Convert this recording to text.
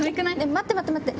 待って待って待って。